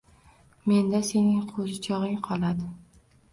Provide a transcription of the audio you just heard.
— Menda sening qo‘zichog‘ing qoladi.